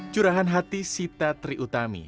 curahan hati sita triutami